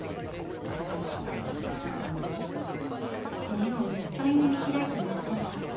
目をいっぱいに見開いた脱走者。